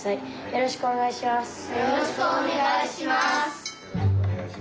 よろしくお願いします。